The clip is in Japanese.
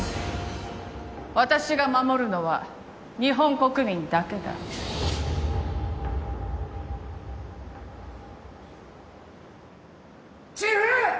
私が守るのは日本国民だけだチーフ！